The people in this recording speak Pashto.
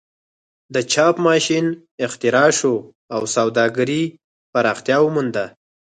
د چاپ ماشین اختراع شو او سوداګري پراختیا ومونده.